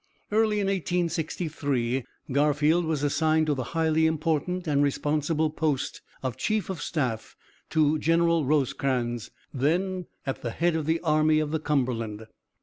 "Early in 1863 Garfield was assigned to the highly important and responsible post of Chief of Staff to General Rosecrans, then at the head of the Army of the Cumberland.